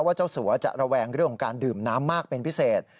เจ้าสัวจะระแวงเรื่องของการดื่มน้ำมากเป็นพิเศษ